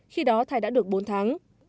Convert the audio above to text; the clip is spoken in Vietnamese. khi đó thai đã được bốn tháng